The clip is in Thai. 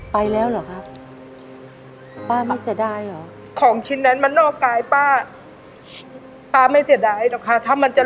ไปแล้วหรอครับ